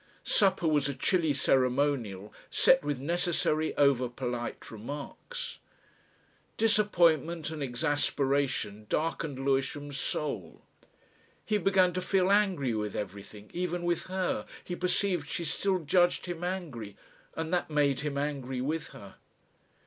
Supper was a chilly ceremonial set with necessary over polite remarks. Disappointment and exasperation darkened Lewisham's soul. He began to feel angry with everything even with her he perceived she still judged him angry, and that made him angry with her.